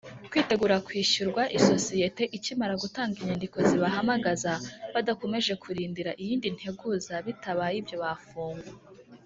kwitegura kwishyurwa isosiyete ikimara gutanga inyandiko zibahamagaza badakomeje kurindira iyindi nteguza bitabaye ibyo bafungwa.